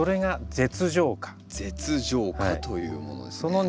舌状花というものですね。